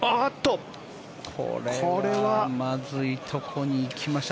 これはまずいところに行きました。